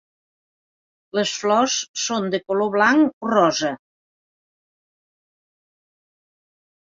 Les flors són de color blanc o rosa.